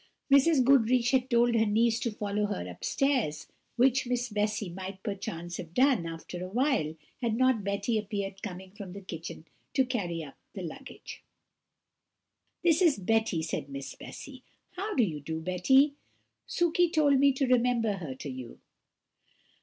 Mrs. Goodriche had told her niece to follow her upstairs, which Miss Bessy might perchance have done, after a while, had not Betty appeared coming from the kitchen to carry up the luggage. "That is Betty," said Miss Bessy. "How do you do, Betty? Sukey told me to remember her to you."